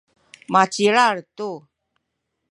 macilal tu.